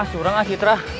ah curang ah citra